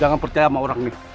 jangan percaya sama orang nih